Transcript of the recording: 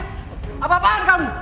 cintia apa apaan kamu